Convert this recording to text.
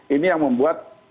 ini yang membuat